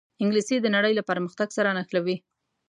انګلیسي د نړۍ له پرمختګ سره نښلوي